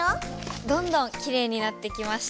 どんどんきれいになってきました。